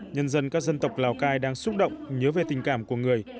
nhân dân các dân tộc lào cai đang xúc động nhớ về tình cảm của người